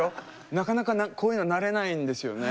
なかなかこういうの慣れないんですよね。